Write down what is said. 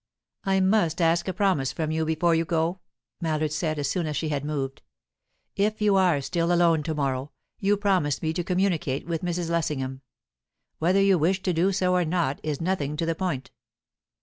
"I must ask a promise from you before you go," Mallard said, as soon as she had moved. "If you are still alone tomorrow, you promise me to communicate with Mrs. Lessingham. Whether you wish to do so or not is nothing to the point."